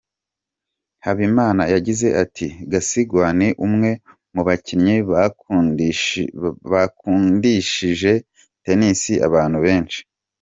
Habimana yagize ati “Gasigwa ni umwe mu bakinnyi bakundishije Tennis abantu benshi.